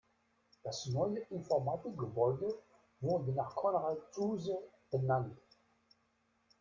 Das neue Informatikgebäude wurde nach Konrad Zuse benannt.